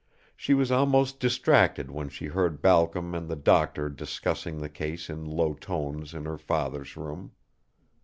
She was almost distracted when she heard Balcom and the doctor discussing the case in low tones in her father's room.